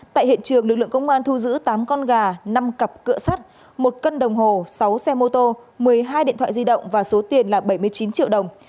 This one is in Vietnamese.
tại hiện trường lực lượng công an thu giữ tám con gà năm cặp cửa sắt một cân đồng hồ sáu xe mô tô một mươi hai điện thoại di động và số tiền là bảy mươi chín triệu đồng